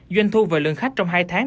doanh thu và lượng khách trong hai tháng